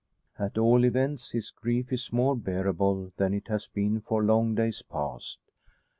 At all events his grief is more bearable than it has been for long days past.